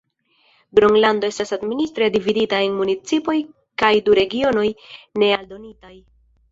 Gronlando estas administre dividata en municipoj kaj du regionoj ne aldonitaj.